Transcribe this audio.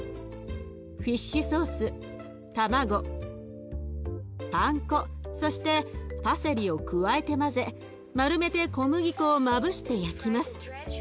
フィッシュソース卵パン粉そしてパセリを加えて混ぜ丸めて小麦粉をまぶして焼きます。